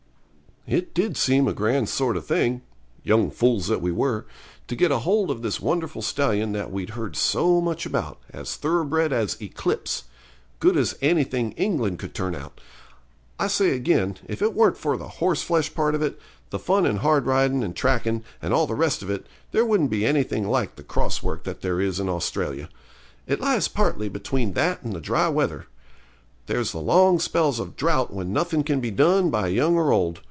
It did seem a grand sort of thing young fools that we were to get hold of this wonderful stallion that we'd heard so much of, as thoroughbred as Eclipse; good as anything England could turn out. I say again, if it weren't for the horse flesh part of it, the fun and hard riding and tracking, and all the rest of it, there wouldn't be anything like the cross work that there is in Australia. It lies partly between that and the dry weather. There's the long spells of drought when nothing can be done by young or old.